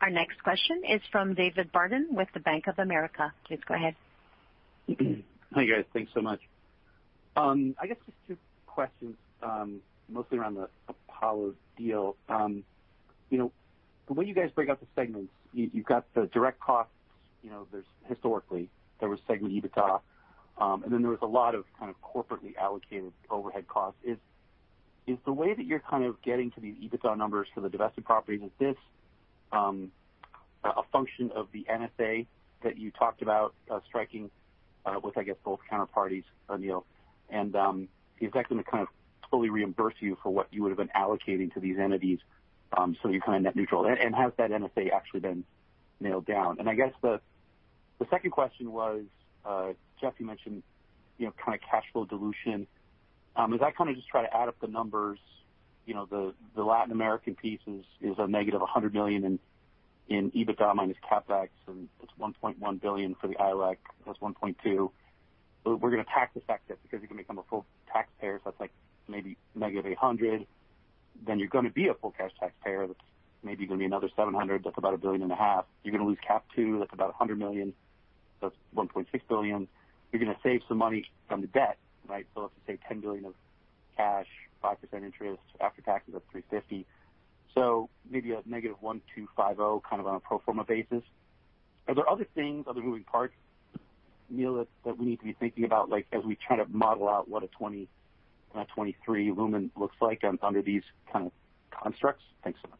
[SPEAKER 3] Our next question is from David Barden with the Bank of America. Please go ahead.
[SPEAKER 11] Hi, guys. Thanks so much. I guess just two questions, mostly around the Apollo deal. The way you guys break out the segments, you've got the direct costs, historically, there was segment EBITDA, and then there was a lot of kind of corporately allocated overhead costs. Is the way that you're kind of getting to these EBITDA numbers for the divested properties, is this a function of the NSA that you talked about striking with, I guess, both counterparties, Neel? Is that going to kind of fully reimburse you for what you would've been allocating to these entities so you're kind of net neutral? Has that NSA actually been nailed down? I guess the second question was, Jeff, you mentioned kind of cash flow dilution. As I kind of just try to add up the numbers, the Latin American piece is a -$100 million in EBITDA minus CapEx, and it's $1.1 billion for the ILEC. That's $1.2 billion. We're going to tax effect it because you're going to become a full taxpayer. That's like maybe -$800 million. You're going to be a full cash taxpayer. That's maybe going to be another $700 million. That's about $1.5 billion. You're going to lose CAF II. That's about $100 million. That's $1.6 billion. You're going to save some money from the debt, right? Let's just say $10 billion of cash, 5% interest after taxes up $350 million. Maybe a -$1,250 million kind of on a pro forma basis. Are there other things, other moving parts, Neel, that we need to be thinking about, like as we try to model out what a 2023 Lumen looks like under these kind of constructs? Thanks so much.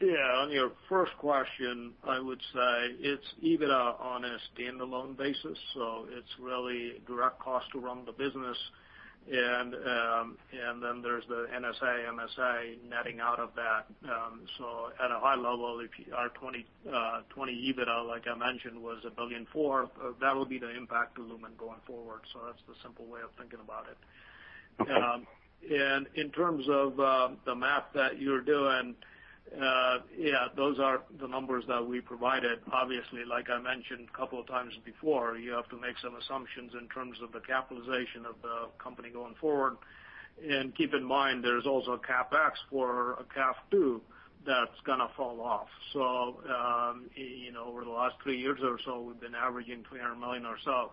[SPEAKER 4] Yeah, on your first question, I would say it's EBITDA on a stand-alone basis, so it's really direct cost to run the business. Then there's the NSA, MSA netting out of that. At a high level, if our 2020 EBITDA, like I mentioned, was $1.4 billion, that'll be the impact to Lumen going forward. That's the simple way of thinking about it.
[SPEAKER 11] Okay.
[SPEAKER 4] In terms of the math that you're doing, yeah, those are the numbers that we provided. Obviously, like I mentioned a couple of times before, you have to make some assumptions in terms of the capitalization of the company going forward. Keep in mind, there's also a CapEx for a CAF II that's going to fall off. Over the last three years or so, we've been averaging $300 million or so.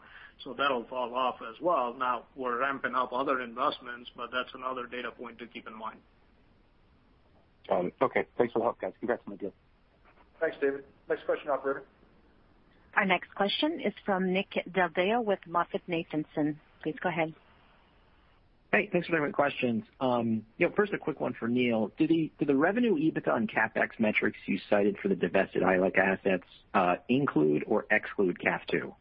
[SPEAKER 4] That'll fall off as well. Now we're ramping up other investments, but that's another data point to keep in mind.
[SPEAKER 11] Got it. Okay. Thanks for the help, guys. Congrats on the deal.
[SPEAKER 2] Thanks, David. Next question, operator.
[SPEAKER 1] Our next question is from Nick Del Deo with MoffettNathanson. Please go ahead.
[SPEAKER 12] Hey, thanks for taking my questions. First a quick one for Neel. Do the revenue EBITDA and CapEx metrics you cited for the divested ILEC assets include or exclude CAF II?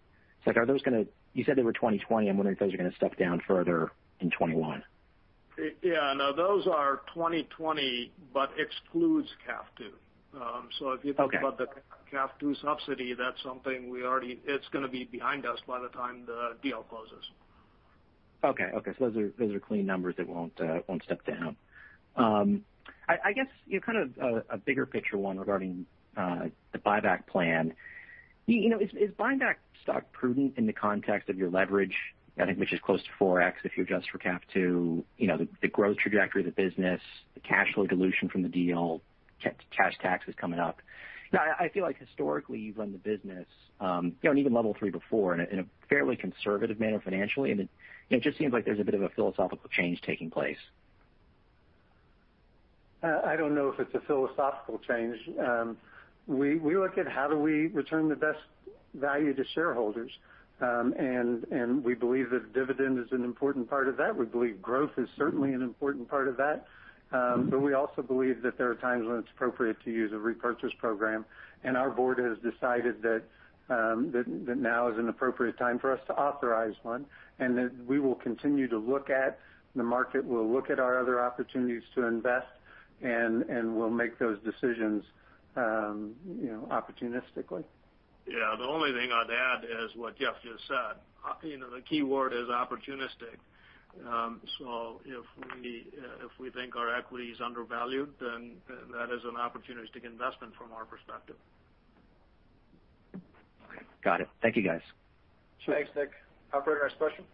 [SPEAKER 12] You said they were 2020. I'm wondering if those are going to step down further in 2021.
[SPEAKER 4] Yeah. No, those are 2020, but excludes CAF II.
[SPEAKER 12] Okay.
[SPEAKER 4] If you think about the CAF II subsidy, that's something it's going to be behind us by the time the deal closes.
[SPEAKER 12] Okay. Those are clean numbers that won't step down. I guess, kind of a bigger picture one regarding the buyback plan. Is buying back stock prudent in the context of your leverage? I think, which is close to 4x if you adjust for CAF II, the growth trajectory of the business, the cash flow dilution from the deal, cash taxes coming up. I feel like historically, you've run the business, even Level 3 before, in a fairly conservative manner financially, and it just seems like there's a bit of a philosophical change taking place.
[SPEAKER 3] I don't know if it's a philosophical change. We look at how do we return the best value to shareholders. We believe that dividend is an important part of that. We believe growth is certainly an important part of that. We also believe that there are times when it's appropriate to use a repurchase program, and our board has decided that now is an appropriate time for us to authorize one, and that we will continue to look at the market, we'll look at our other opportunities to invest, and we'll make those decisions opportunistically.
[SPEAKER 4] Yeah. The only thing I'd add is what Jeff just said. The keyword is opportunistic. If we think our equity is undervalued, that is an opportunistic investment from our perspective.
[SPEAKER 12] Okay. Got it. Thank you, guys.
[SPEAKER 4] Sure.
[SPEAKER 2] Thanks, Nick. Operator, next question.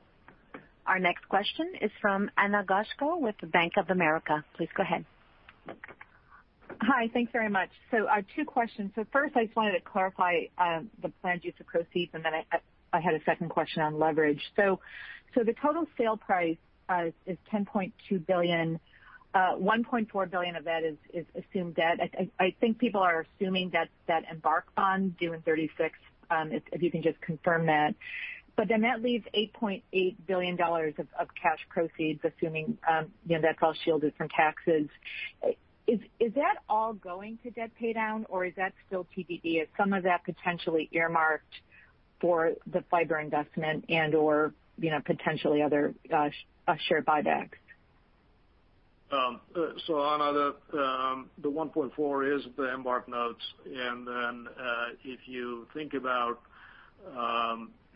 [SPEAKER 1] Our next question is from Ana Goshko with Bank of America. Please go ahead.
[SPEAKER 13] Hi. Thanks very much. I have two questions. First, I just wanted to clarify the planned use of proceeds, and then I had a second question on leverage. The total sale price is $10.2 billion. $1.4 billion of that is assumed debt. I think people are assuming that's that EMBARQ bond due in 2036, if you can just confirm that. That leaves $8.8 billion of cash proceeds, assuming that's all shielded from taxes. Is that all going to debt paydown, or is that still TBD? Is some of that potentially earmarked for the fiber investment and/or potentially other share buybacks?
[SPEAKER 4] Ana, the $1.4 billion is the EMBARQ notes. If you think about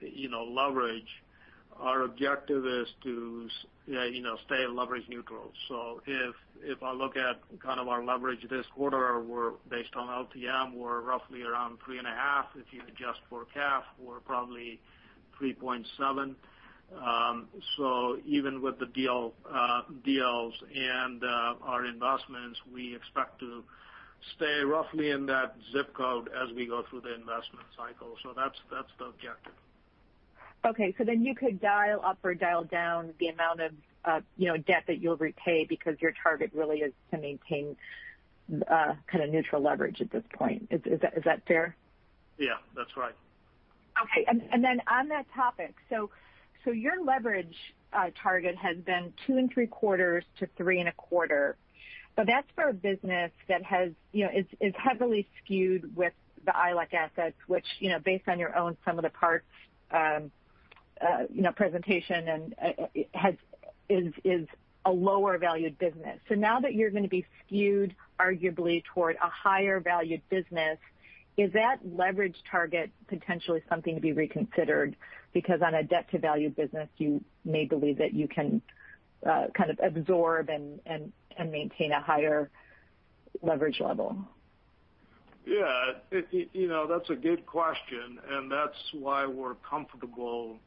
[SPEAKER 4] leverage, our objective is to stay leverage neutral. If I look at kind of our leverage this quarter, based on LTM, we're roughly around 3.5x. If you adjust for CAF, we're probably 3.7x. Even with the deals and our investments, we expect to stay roughly in that ZIP code as we go through the investment cycle. That's the objective.
[SPEAKER 13] Okay, you could dial up or dial down the amount of debt that you'll repay because your target really is to maintain kind of neutral leverage at this point. Is that fair?
[SPEAKER 4] Yeah, that's right.
[SPEAKER 13] Okay. On that topic, your leverage target has been 2.75x-3.25x, but that's for a business that is heavily skewed with the ILEC assets, which based on your own sum of the parts presentation is a lower valued business. Now that you're going to be skewed arguably toward a higher valued business, is that leverage target potentially something to be reconsidered? On a debt to value business, you may believe that you can kind of absorb and maintain a higher leverage level.
[SPEAKER 4] Yeah. That's a good question, and that's why we're comfortable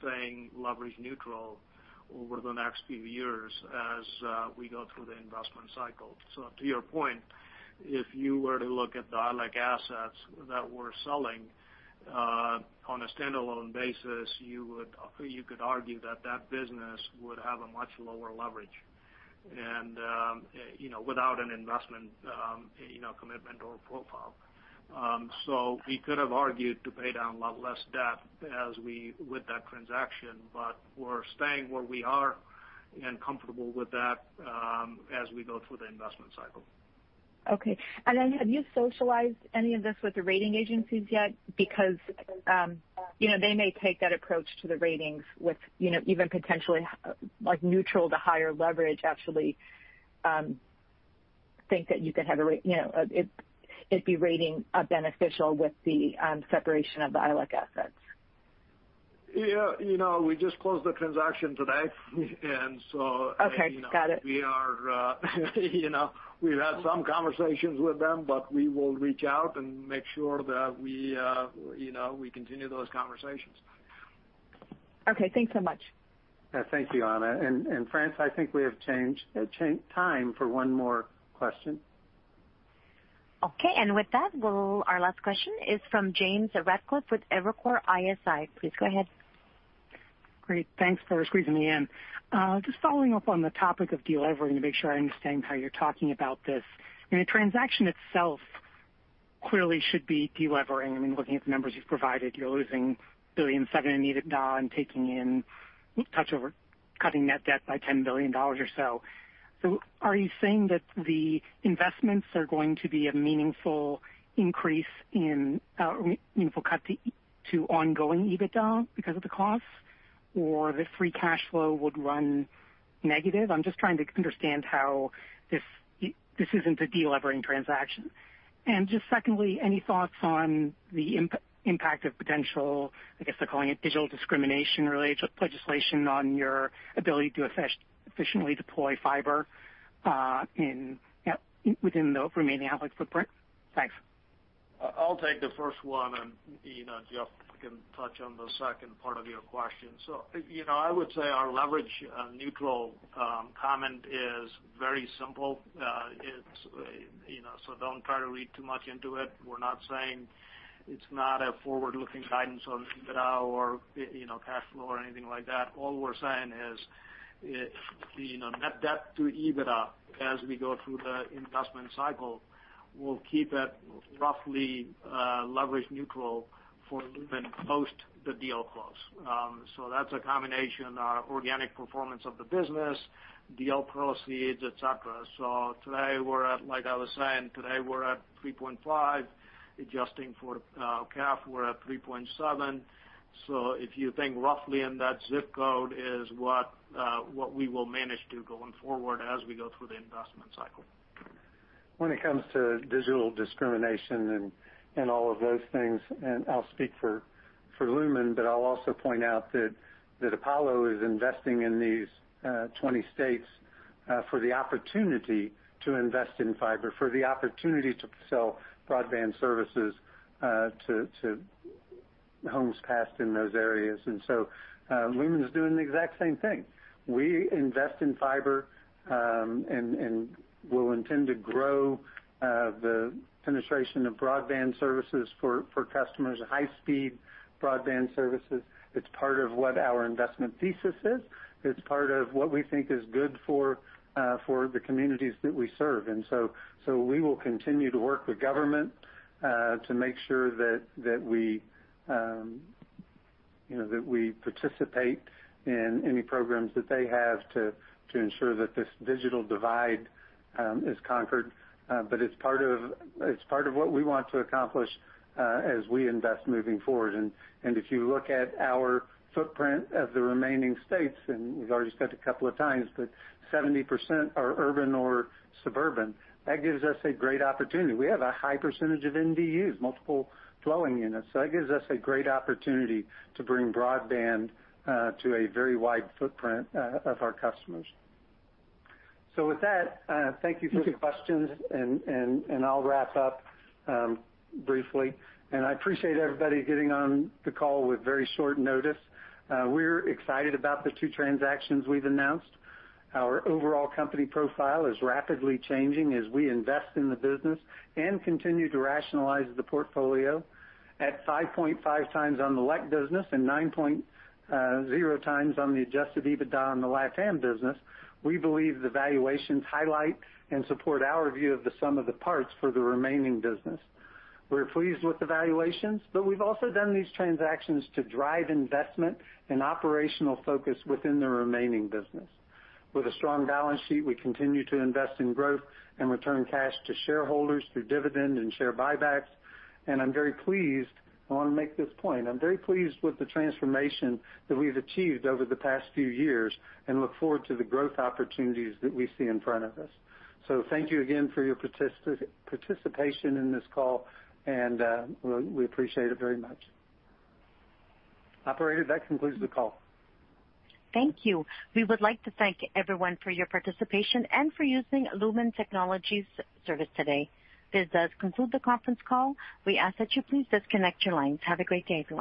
[SPEAKER 4] staying leverage neutral over the next few years as we go through the investment cycle. To your point, if you were to look at the ILEC assets that we're selling on a standalone basis, you could argue that that business would have a much lower leverage and without an investment commitment or profile. We could have argued to pay down a lot less debt with that transaction, but we're staying where we are and comfortable with that as we go through the investment cycle.
[SPEAKER 13] Okay. Have you socialized any of this with the rating agencies yet? They may take that approach to the ratings with even potentially like neutral to higher leverage. I actually think that it'd be rating beneficial with the separation of the ILEC assets.
[SPEAKER 4] Yeah. We just closed the transaction today.
[SPEAKER 13] Okay. Got it.
[SPEAKER 4] We've had some conversations with them, but we will reach out and make sure that we continue those conversations.
[SPEAKER 13] Okay. Thanks so much.
[SPEAKER 2] Yeah. Thank you, Ana. Franz, I think we have time for one more question.
[SPEAKER 1] Okay. With that, our last question is from James Ratcliffe with Evercore ISI. Please go ahead.
[SPEAKER 14] Great. Thanks for squeezing me in. Just following up on the topic of delevering to make sure I understand how you're talking about this. The transaction itself clearly should be delevering. I mean, looking at the numbers you've provided, you're losing $1.7 billion in EBITDA and taking in just over cutting net debt by $10 billion or so. Are you saying that the investments are going to be a meaningful cut to ongoing EBITDA because of the cost, or the free cash flow would run negative? I'm just trying to understand how this isn't a delevering transaction. Just secondly, any thoughts on the impact of potential, I guess they're calling it digital discrimination related legislation, on your ability to efficiently deploy fiber within the remaining public footprint? Thanks.
[SPEAKER 4] I'll take the first one, and Jeff can touch on the second part of your question. I would say our leverage neutral comment is very simple. Don't try to read too much into it. We're not saying it's not a forward-looking guidance on EBITDA or cash flow or anything like that. All we're saying is net debt to EBITDA as we go through the investment cycle will keep it roughly leverage neutral for Lumen post the deal close. That's a combination, our organic performance of the business, deal proceeds, et cetera. Like I was saying, today we're at 3.5x. Adjusting for CAF, we're at 3.7x. If you think roughly in that ZIP code is what we will manage to going forward as we go through the investment cycle.
[SPEAKER 3] When it comes to digital discrimination and all of those things, and I'll speak for Lumen, but I'll also point out that Apollo is investing in these 20 states for the opportunity to invest in fiber, for the opportunity to sell broadband services to homes passed in those areas. Lumen's doing the exact same thing. We invest in fiber, and we'll intend to grow the penetration of broadband services for customers, high-speed broadband services. It's part of what our investment thesis is. It's part of what we think is good for the communities that we serve. We will continue to work with government to make sure that we participate in any programs that they have to ensure that this digital divide is conquered. It's part of what we want to accomplish as we invest moving forward. If you look at our footprint of the remaining states, and we've already said a couple of times, but 70% are urban or suburban. That gives us a great opportunity. We have a high percentage of MDUs, multi-dwelling units. That gives us a great opportunity to bring broadband to a very wide footprint of our customers. With that, thank you for the questions and I'll wrap up briefly. I appreciate everybody getting on the call with very short notice. We're excited about the two transactions we've announced. Our overall company profile is rapidly changing as we invest in the business and continue to rationalize the portfolio at 5.5x on the LEC business and 9.0x on the adjusted EBITDA on the LatAm business. We believe the valuations highlight and support our view of the sum of the parts for the remaining business. We're pleased with the valuations, but we've also done these transactions to drive investment and operational focus within the remaining business. With a strong balance sheet, we continue to invest in growth and return cash to shareholders through dividend and share buybacks, and I'm very pleased. I want to make this point. I'm very pleased with the transformation that we've achieved over the past few years and look forward to the growth opportunities that we see in front of us. Thank you again for your participation in this call, and we appreciate it very much. Operator, that concludes the call.
[SPEAKER 1] Thank you. We would like to thank everyone for your participation and for using Lumen Technologies service today. This does conclude the conference call. We ask that you please disconnect your lines. Have a great day, everyone.